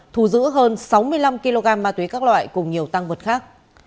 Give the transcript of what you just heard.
thù giữ hơn sáu mươi năm kg ma túy các loại cùng nhiều tăng vật khác